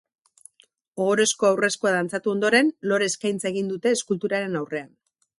Ohorezko aurreskua dantzatu ondoren, lore eskaintza egin dute eskulturaren aurrean.